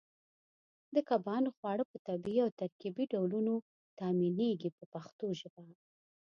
د کبانو خواړه په طبیعي او ترکیبي ډولونو تامینېږي په پښتو ژبه.